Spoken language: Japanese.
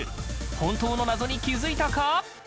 本当の謎に気付いたか？